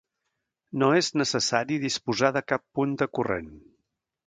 No és necessari disposar de cap punt de corrent.